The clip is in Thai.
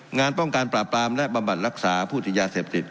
งานป้องกันปราบปรามและบำบัดรักษาผู้ติดยาเสพติด